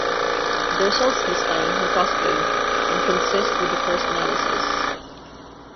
The results this time were positive and consist with the first analysis.